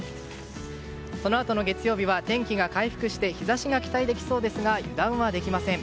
そのあとの月曜日は天気が回復して日差しが期待できそうですが油断はできません。